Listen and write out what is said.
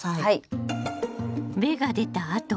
はい。